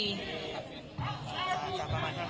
อ่าจากประมาณ๕นาทีแล้วดีกว่าอ่าสังคมนี้ก็เข้าข้างถามแล้วโอเค